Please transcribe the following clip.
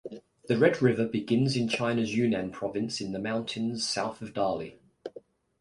The Red River begins in China's Yunnan province in the mountains south of Dali.